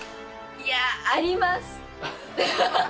いやー、あります。